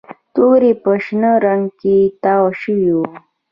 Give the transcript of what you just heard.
توري په شنه رنګ کې تاو شوي وو